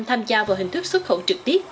tham gia vào hình thức xuất khẩu trực tiếp